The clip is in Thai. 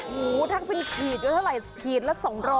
หมูถ้าเป็นขีดก็เท่าไหร่ขีดละ๒๐๐